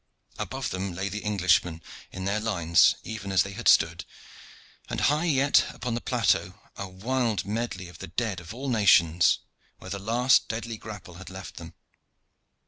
Above them lay the Englishmen in their lines, even as they had stood, and higher yet upon the plateau a wild medley of the dead of all nations, where the last deadly grapple had left them.